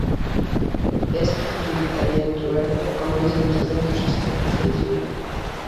Este facilítalle outro herdo amais de oitocentos estopos de trigo.